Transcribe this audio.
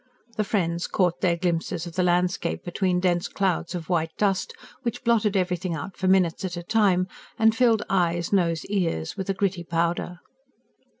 The friends caught their glimpses of the landscape between dense clouds of white dust, which blotted everything out for minutes at a time, and filled eyes, nose, ears with a gritty powder.